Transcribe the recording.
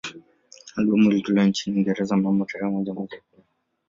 Albamu ilitolewa nchini Uingereza mnamo tarehe moja mwezi wa pili